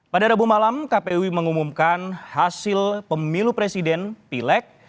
pada rabu malam kpu mengumumkan hasil pemilu presiden pileg